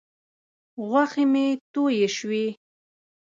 غوښې مې تویې شوې.